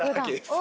お！